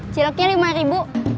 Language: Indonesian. ciloknya rp lima ribu